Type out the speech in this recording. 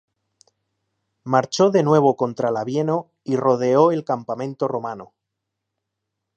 Marchó de nuevo contra Labieno y rodeó el campamento romano.